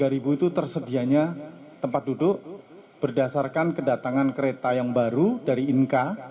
tiga ribu itu tersedianya tempat duduk berdasarkan kedatangan kereta yang baru dari inka